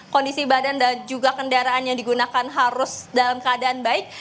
kondisi badan dan juga kendaraan yang digunakan harus dalam keadaan baik